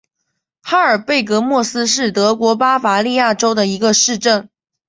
哈尔贝格莫斯是德国巴伐利亚州的一个市镇。